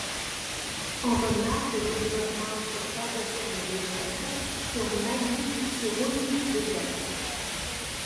On remarque les développements sur Bardesane d'Édesse, sur Mani, sur Oudhi d'Édesse.